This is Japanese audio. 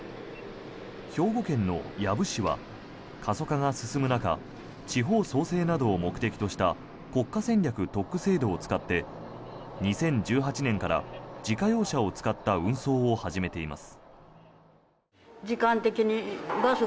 兵庫県の養父市は過疎化が進む中地方創生などを目的とした国家戦略特区制度を使って２０１８年から自家用車を使った運送を始めています。